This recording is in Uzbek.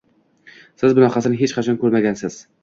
Siz bunaqasini hech qachon koʻrmagansiz